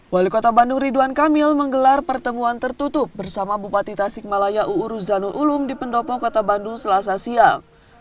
wali kota bandung ridwan kamil menggelar pertemuan tertutup bersama bupati tasikmalaya uu ruzanul ulum di pendopo kota bandung selasa siang